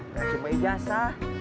saratnya cuma ijasa